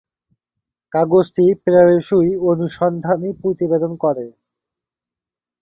কাগজটি প্রায়শই অনুসন্ধানী প্রতিবেদন করে।